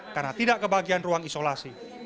karena tidak kebagian ruang isolasi